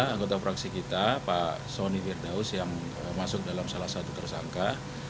anggota fraksi kita pak soni firdaus yang masuk dalam salah satu tersangka